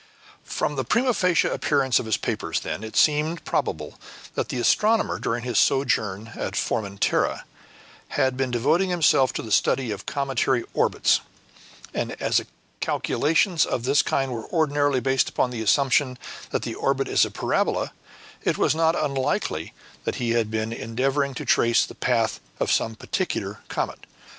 From the prima facie appearance of his papers, then, it seemed probable that the astronomer, during his sojourn at Formentera, had been devoting himself to the study of cometary orbits; and as calculations of this kind are ordinarily based upon the assumption that the orbit is a parabola, it was not unlikely that he had been endeavoring to trace the path of some particular comet.